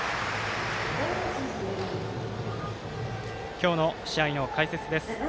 今日の試合の解説です。